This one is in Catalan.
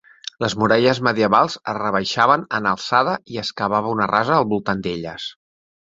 Les muralles medievals es rebaixaven en alçada i es cavava una rasa al voltant d'elles.